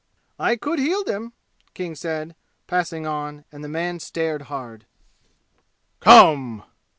"I could heal them," King said, passing on, and the man stared hard. "Come!"